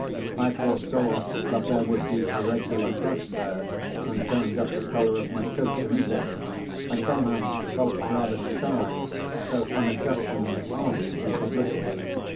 I foresaw that there would be a regular crush there, and turned up the collar of my coat to meet it. I somehow felt rather shy so unaccustomed are we to publicity.